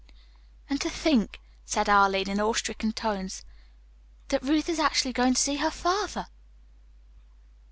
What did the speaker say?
"And to think," said Arline, in awe stricken tones, "that Ruth is actually going to see her father!"